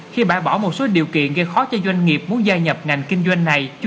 khi bãi bỏ một số điều kiện gây khó cho doanh nghiệp muốn gia nhập ngành kinh doanh này